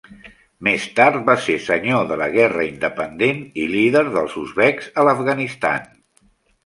Més tard va ser senyor de la guerra independent i líder dels uzbeks a l'Afganistan.